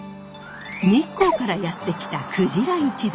日光からやって来た久次良一族。